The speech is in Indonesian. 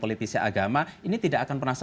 pelelik mereka nanti transformasi